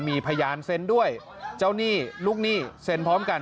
มีพยานเซ็นด้วยเจ้าหนี้ลูกหนี้เซ็นพร้อมกัน